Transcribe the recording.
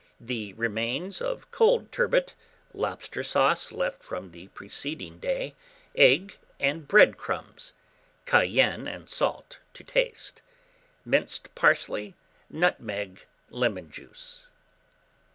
The remains of cold turbot, lobster sauce left from the preceding day, egg, and bread crumbs; cayenne and salt to taste; minced parsley, nutmeg, lemon juice.